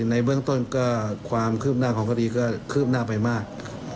ในเบื้องต้นก็ความคืบหน้าของคดีก็คืบหน้าไปมาก